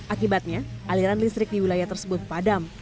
akibatnya aliran listrik di wilayah tersebut padam